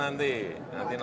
gak mungkin nonton di tanah